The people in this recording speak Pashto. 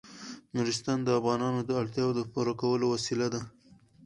نورستان د افغانانو د اړتیاوو د پوره کولو وسیله ده.